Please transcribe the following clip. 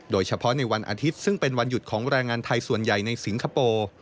โดยเฉพาะในวันอาทิตย์ซึ่งเป็นวันหยุดของแรงงานไทยส่วนใหญ่ในสิงคโปร์